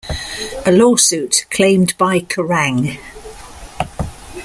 A lawsuit, claimed by Kerrang!